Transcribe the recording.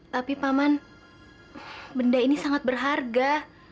tapi paman benda ini sangat berharga